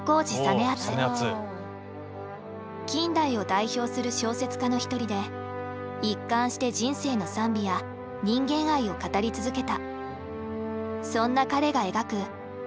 近代を代表する小説家の一人で一貫して人生の賛美や人間愛を語り続けた。